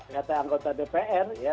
dari anggota dpr ya